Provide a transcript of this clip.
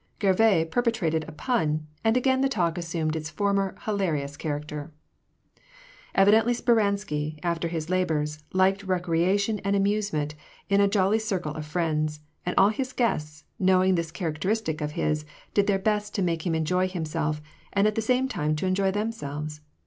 Gervais perpetrated a pun, and again the talk assumed its former hilarious character. . Evidently Speransky, after his labors, liked recreation and amusement in a jolly circle of friends ; and all his guests, know ing this characteristic of his, did their best to make him enjoy himself, and at the same time to enjoy themselves.